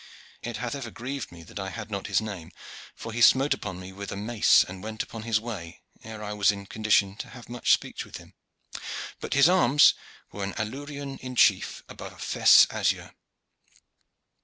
It hath ever grieved me that I had not his name, for he smote upon me with a mace and went upon his way ere I was in condition to have much speech with him; but his arms were an allurion in chief above a fess azure.